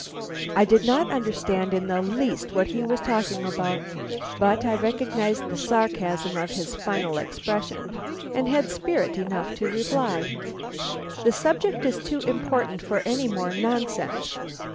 I did not understand in the least what he was talking about, but I recognized the sarcasm of his final expression, and had spirit enough to reply: "The subject is too important for any more nonsense.